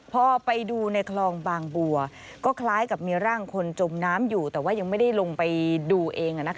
พอไปดูในคลองบางบัวก็คล้ายกับมีร่างคนจมน้ำอยู่แต่ว่ายังไม่ได้ลงไปดูเอง